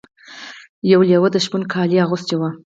یو لیوه د شپون کالي اغوستي وو.